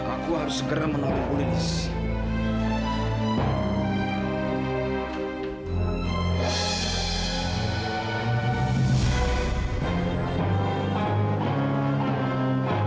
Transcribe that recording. aku harus segera menolong polisi